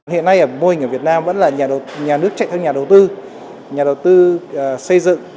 hiện nay ở mô hình ở việt nam vẫn là nhà nước chạy theo nhà đầu tư nhà đầu tư xây dựng